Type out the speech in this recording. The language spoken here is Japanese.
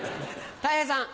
たい平さん。